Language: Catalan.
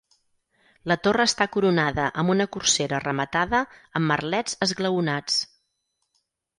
La torre està coronada amb una corsera rematada amb merlets esglaonats.